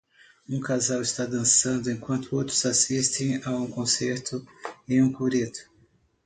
Um casal está dançando enquanto outros assistem a um concerto em um coreto.